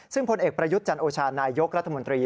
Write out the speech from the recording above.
ซึ่งพลเอกประยุทธ์จันโอชานายกรัฐมนตรี